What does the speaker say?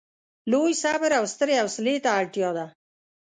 لوی صبر او سترې حوصلې ته اړتیا ده.